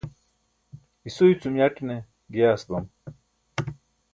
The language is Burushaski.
isuy cum yaṭne giyaas bam